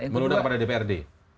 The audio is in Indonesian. melunak pada dprd